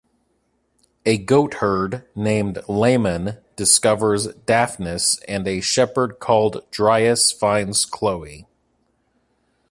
A goatherd named Lamon discovers Daphnis, and a shepherd called Dryas finds Chloe.